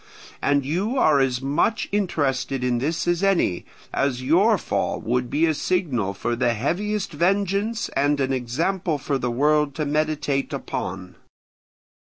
And you are as much interested in this as any, as your fall would be a signal for the heaviest vengeance and an example for the world to meditate upon.